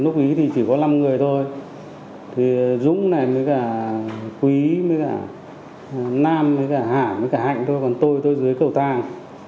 lúc ý thì chỉ có năm người thôi thì dũng này mới cả quý với cả nam với cả hạ với cả hạnh thôi còn tôi thôi dưới cầu tàng